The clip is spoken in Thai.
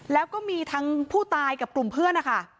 แล้วก็มีทั้งผู้ตายกับกลุ่มเพื่อนนะคะ